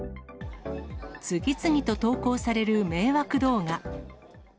次々と投稿される迷惑動画。